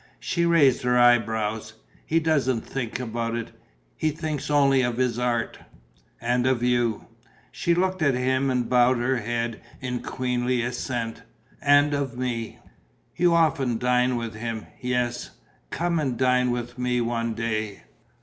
She raised her eyebrows: "He doesn't think about it. He thinks only of his art." "And of you." She looked at him and bowed her head in queenly assent: "And of me." "You often dine with him." "Yes." "Come and dine with me one day."